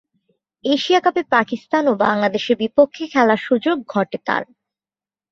Asia কাপে পাকিস্তান ও বাংলাদেশের বিপক্ষে খেলার সুযোগ ঘটে তার।